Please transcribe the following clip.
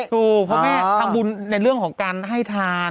ถูกเพราะแม่ทำบุญในเรื่องของการให้ทาน